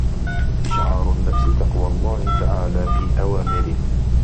إشْعَارُ النَّفْسِ تَقْوَى اللَّهِ تَعَالَى فِي أَوَامِرِهِ